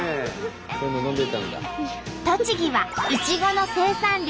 栃木はいちごの生産量